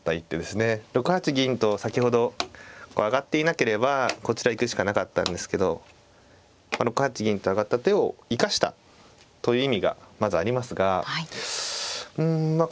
６八銀と先ほど上がっていなければこちら行くしかなかったんですけど６八銀と上がった手を生かしたという意味がまずありますがうんまあ